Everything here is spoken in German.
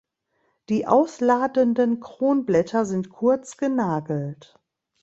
Die ausladenden Kronblätter sind kurz genagelt.